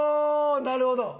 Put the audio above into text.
なるほど。